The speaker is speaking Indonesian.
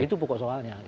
itu pokok soalnya